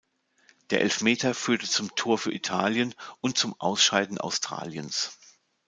Der Elfmeter führte zum Tor für Italien und zum Ausscheiden Australiens.